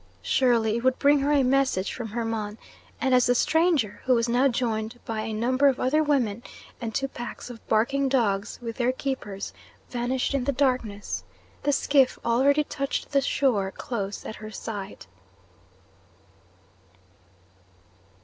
Surely it would bring her a message from Hermon; and as the stranger, who was now joined by a number of other women and two packs of barking dogs, with their keepers, vanished in the darkness, the skiff already touched the shore close at her side.